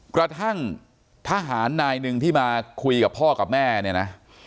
กระทั่งทหารนายหนึ่งที่มาคุยกับพ่อกับแม่เนี่ยนะ